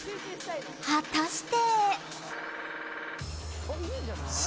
果たして。